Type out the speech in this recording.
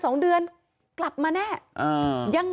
มีเรื่องอะไรมาคุยกันรับได้ทุกอย่าง